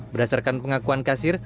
berdasarkan pengakuan kasir